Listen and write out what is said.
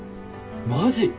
マジ！？